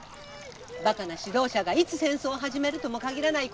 バカな指導者がいつ戦争を始めるともかぎらない